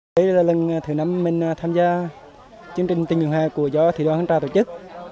đây là lần thứ năm mình tham gia chương trình tình hình hài của gió thị đoàn hương trà tổ chức